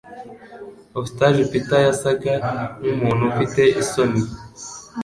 Offstage, Peter yasaga nkumuntu ufite isoni